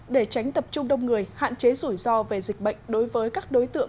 để tránh tập trung đông người hạn chế rủi ro về dịch bệnh đối với các đối tượng